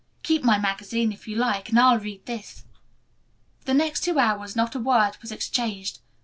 "Keep my magazine if you like, and I'll read this." For the next two hours not a word was exchanged.